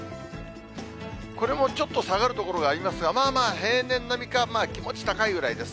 これもちょっと下がる所がありますが、まあまあ平年並みか、気持ち高いぐらいです。